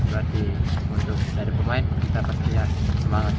berarti untuk dari pemain kita pastinya semangat